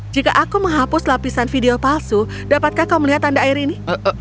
jika aku menghapus lapisan video palsu dapatkah kau melihat tanda air ini